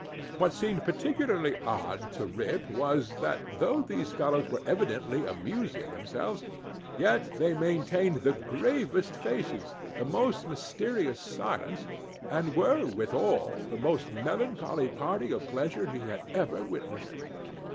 What seemed particularly odd to Rip was, that though these folks were evidently amusing themselves, yet they maintained the gravest faces, the most mysterious silence, and were, withal, the most melancholy party of pleasure he had ever witnessed.